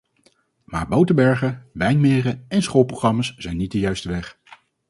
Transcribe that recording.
Maar boterbergen, wijnmeren en schoolprogramma's zijn niet de juiste weg.